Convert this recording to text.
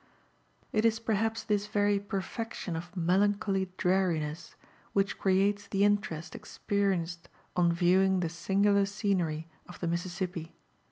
It is perhaps this very perfection of melancholy dreariness which creates the interest experienced on viewing the singular scenery of the Missi)wppi.